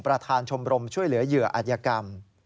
ประธานชมรมช่วยเหลือเหยื่ออัธยกรรม